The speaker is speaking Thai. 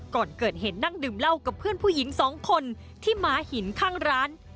ก่อนเกิดเหตุนั่งดื่มเหล้ากับเพื่อนผู้หญิงสองคนที่ม้าหินข้างร้าน